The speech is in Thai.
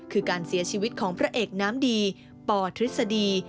คือการเสียชีวิตของพระเอกน้ำดีปทฤษฎี